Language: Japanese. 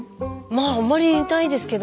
まああまりいないですけど。